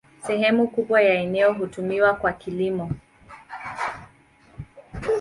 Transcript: Sehemu kubwa ya eneo hutumiwa kwa kilimo.